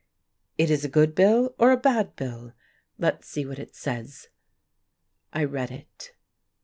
It is a good bill, or a bad bill? Let's see what it says." I read it.